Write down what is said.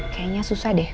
kayaknya susah deh